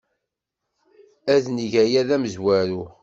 Ad neg aya d amezwaru.